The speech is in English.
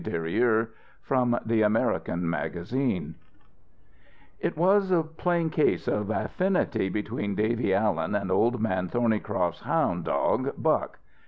DERIEUX From The American Magazine It was a plain case of affinity between Davy Allen and Old Man Thornycroft's hound dog Buck.